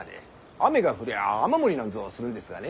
雨が降りゃ雨漏りなんぞするんですがね。